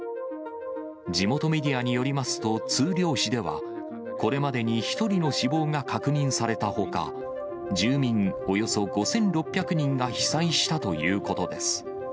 地元メディアによりますと、通遼市では、これまでに１人の死亡が確認されたほか、住民およそ５６００人が被災したということです。